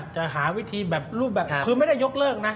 จะหาวิธีแบบรูปแบบคือไม่ได้ยกเลิกนะ